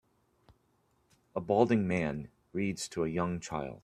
A balding man reads to a young child.